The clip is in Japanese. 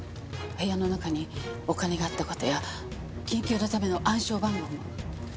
部屋の中にお金があった事や緊急のための暗証番号も。